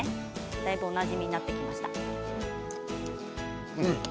だいぶおなじみになってきました。